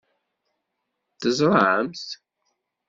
Teẓṛamt-t?